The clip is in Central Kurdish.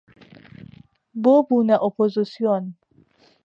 بۆ بوونە ئۆپۆزسیۆن